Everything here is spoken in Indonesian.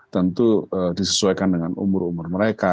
tentu disesuaikan dengan umur umur mereka